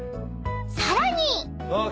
［さらに］